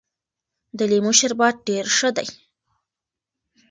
د لیمو شربت ډېر ښه دی.